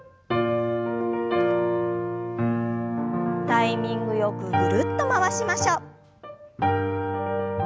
タイミングよくぐるっと回しましょう。